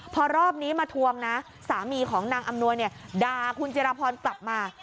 พอรอบนี้มาทวงนะสามีของนางอำนวยเนี่ยด่าคุณจิรพรกลับมา